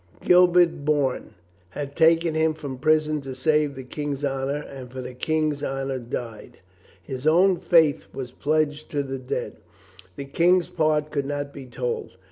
Gilbert Bourne had taken him from prison to save the King's honor and for the King's honor died. His own faith was pledged to the dead. The King's part could not be told.